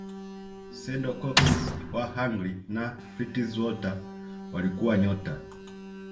sendor Kocsis wa Hungary na Ftritz Walter walikuwa nyota